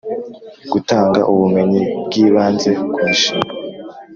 Gutanga ubumenyi bw ibanze ku mishinga